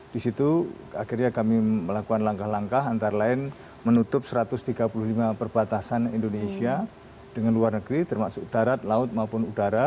di situ akhirnya kami melakukan langkah langkah antara lain menutup satu ratus tiga puluh lima perbatasan indonesia dengan luar negeri termasuk darat laut maupun udara